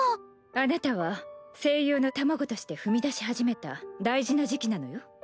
あなたは声優の卵として踏み出しはじめた大事な時期なのよ？